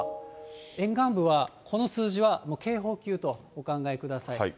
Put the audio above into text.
沿岸部はこの数字は、もう警報級とお考えください。